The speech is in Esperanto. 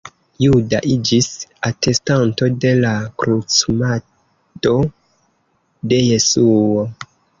Juda iĝis atestanto de la krucumado de Jesuo.